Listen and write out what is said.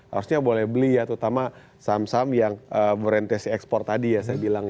harusnya boleh beli ya terutama saham saham yang orientasi ekspor tadi ya saya bilang